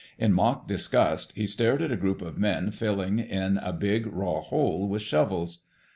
In mock disgust, he stared at a group of men filling in a big, raw hole with shovels.